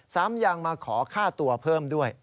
สามอย่างมาขอค่าตัวเพิ่มด้วย